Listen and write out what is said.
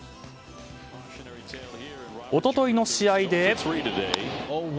一昨日の試合で。